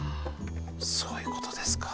そういうことですか。